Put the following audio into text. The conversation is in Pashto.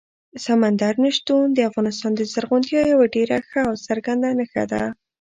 سمندر نه شتون د افغانستان د زرغونتیا یوه ډېره ښه او څرګنده نښه ده.